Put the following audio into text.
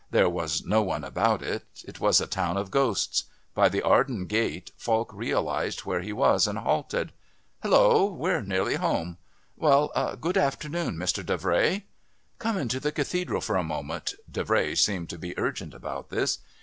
There was no one about. It was a town of ghosts. By the Arden Gate Falk realised where he was and halted. "Hullo! we're nearly home.... Well...good afternoon, Mr. Davray." "Come into the Cathedral for a moment," Davray seemed to be urgent about this.